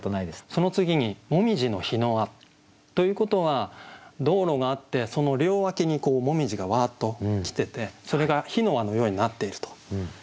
その次に「紅葉の火の輪」ということは道路があってその両脇に紅葉がわっと来ててそれが火の輪のようになっていると。